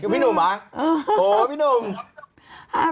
พี่หนุ่มแหะ